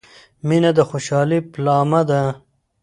• مینه د خوشحالۍ پیلامه ده.